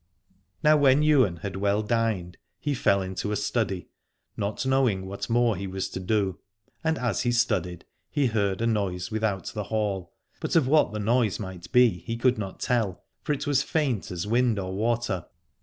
Now when Ywain had well dined he fell into a study, not knowing what more he was to do. And as he studied he heard a noise without the hall, but of what the noise might be he could not tell, for it was faint as wind or water.